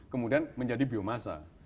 kemudian menjadi biomasa